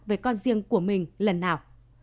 với con riêng của mình lần nào